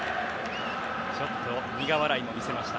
ちょっと苦笑いを見せました。